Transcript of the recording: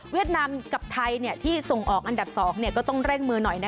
นามกับไทยที่ส่งออกอันดับ๒ก็ต้องเร่งมือหน่อย